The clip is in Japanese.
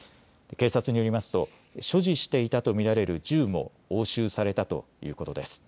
警察によりますと所持していたと見られる銃も押収されたということです。